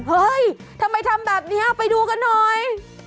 เฮ้ยทำไมทำแบบนี้ไปดูกันหน่อย